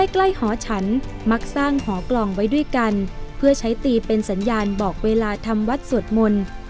หอฉันมักสร้างหอกล่องไว้ด้วยกันเพื่อใช้ตีเป็นสัญญาณบอกเวลาทำวัดสวดมนต์